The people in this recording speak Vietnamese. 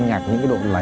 á như ca